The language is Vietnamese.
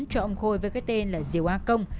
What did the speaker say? cho ông khôi với cái tên là diều a công